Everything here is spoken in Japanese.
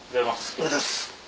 おはようございます。